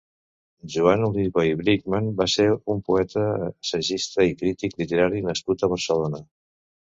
Joan Oliva i Bridgman va ser un poeta, assagista i crític literari nascut a Barcelona.